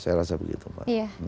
saya rasa begitu pak